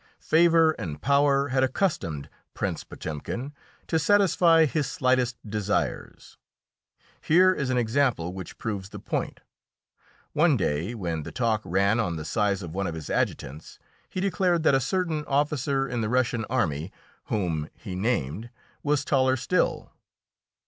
Favour and power had accustomed Prince Potemkin to satisfy his slightest desires. Here is an example which proves the point. One day, when the talk ran on the size of one of his adjutants, he declared that a certain officer in the Russian army whom he named was taller still.